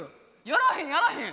やらへんやらへん。